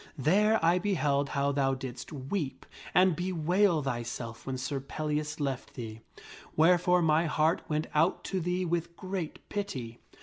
There I beheld how thou didst weep and bewail thyself when Sir Pellias left thee, wherefore my heart went out to thee with great pity.